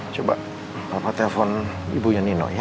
coba bapak telepon ibunya nino ya